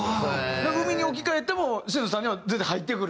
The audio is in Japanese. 海に置き換えても新里さんには全然入ってくるから。